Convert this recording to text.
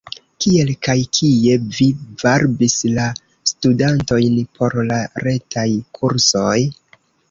Kiel kaj kie vi varbis la studantojn por la retaj kursoj?